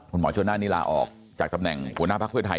คุณหมอชนนั่นนี่ลาออกจากตำแหน่งหัวหน้าพักเพื่อไทย